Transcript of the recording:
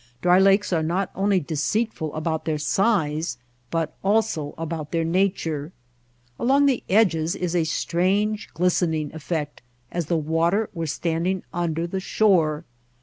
Dry lakes are not only deceit ful about their size, but also about their nature. Along the edges is a strange glistening effect as though water were standing under the shore.